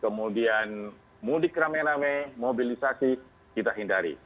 kemudian mudik rame rame mobilisasi kita hindari